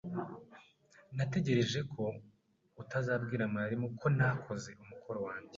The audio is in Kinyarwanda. Natekereje ko utazabwira mwarimu ko ntakoze umukoro wanjye.